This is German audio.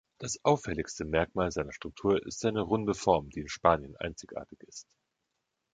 Das auffälligste Merkmal seiner Struktur ist seine runde Form, die in Spanien einzigartig ist.